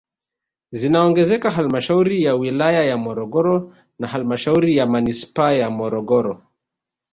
Zinaongezeka halmashauri ya wilaya ya Morogoro na halmashauri ya manispaa ya Morogoro